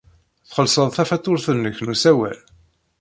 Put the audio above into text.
Txellṣed tafatuṛt-nnek n usawal?